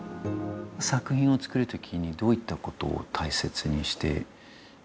作品を作る時にどういったことを大切にしていますか？